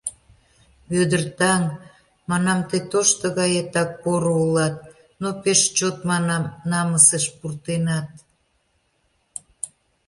— Вӧдыр таҥ, манам, тый тошто гаетак поро улат, но пеш чот, манам, намысыш пуртенат...